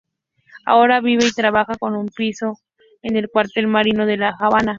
Ahora, vive y trabaja en un piso en el cuartel Mariano de La Habana.